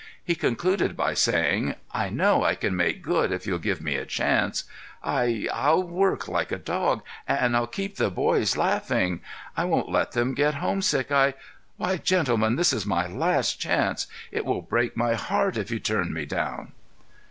He concluded by saying: "I know I can make good if you'll give me a chance. I—I'll work like a dog, and I'll keep the boys laughing. I won't let them get homesick. I— Why, gentlemen, this is my last chance! It will break my heart if you turn me down."